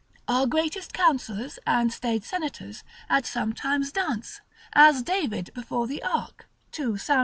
Our greatest counsellors, and staid senators, at some times dance, as David before the ark, 2 Sam.